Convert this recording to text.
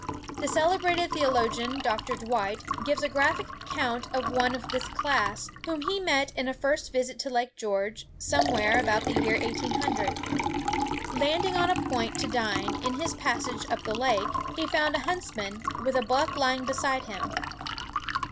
The celebrated theologian, Dr. Dwight, gives a graphic account of one of this class, whom he met in a first visit to Lake George, somewhere about the year 1800. Landing on a point to dine, in his passage up the lake, he found a huntsman, with a buck lying beside him.